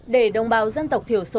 để đồng bào dân tộc thiểu số